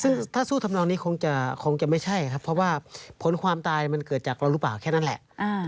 ซึ่งถ้าสู้ทำนองนี้คงจะไม่ใช่ครับเพราะว่าผลความตายมันเกิดจากเราหรือเปล่าแค่นั้นแหละ